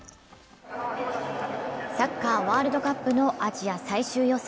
サッカー・ワールドカップのアジア最終予選。